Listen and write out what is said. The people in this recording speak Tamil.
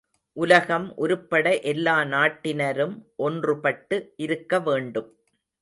உலகம் உருப்பட எல்லா நாட்டினரும் ஒன்றுபட்டு இருக்க வேண்டும்.